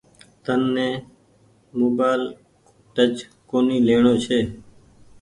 تن ني موبآئيل ٽچ ڪونيٚ ليڻو ڇي۔